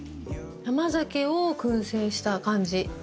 甘酒を薫製した感じ。